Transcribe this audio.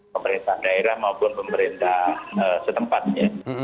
pemerintah daerah maupun pemerintah setempatnya